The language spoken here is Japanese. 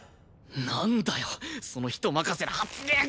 なんだよその人任せな発言！